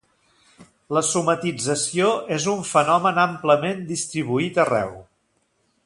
La somatització és un fenomen amplament distribuït arreu.